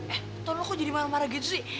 eh ton lo kok jadi marah marah gitu sih